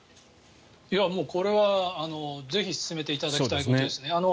もうこれはぜひ進めていただきたいことですね。